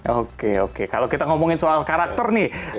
oke oke kalau kita ngomongin soal karakter nih